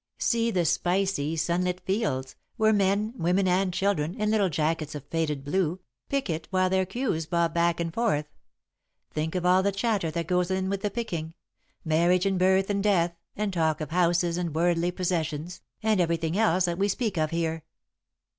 See the spicy, sunlit fields, where men, women, and children, in little jackets of faded blue, pick it while their queues bob back and forth. Think of all the chatter that goes in with the picking marriage and birth and death and talk of houses and worldly possessions, and everything else that we speak of here.